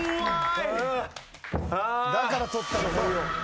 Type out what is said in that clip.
だから取ったの、ほいを。